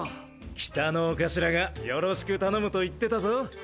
北のお頭がよろしく頼むと言ってたぞ。